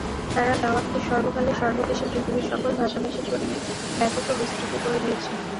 তাঁর দাওয়াতকে সর্বকালে সর্বদেশে পৃথিবীর সকল ভাষাভাষীর জন্যে ব্যাপক ও বিস্তৃত করে দিয়েছেন।